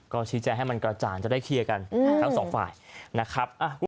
ก็ชี้แจงให้มันกระจ่างจะได้เคลียร์กันทั้งสองฝ่ายนะครับ